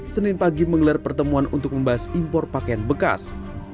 senin pagi menggelar pertemuan untuk membahas impor pakaian bekas